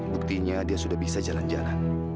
buktinya dia sudah bisa jalan jalan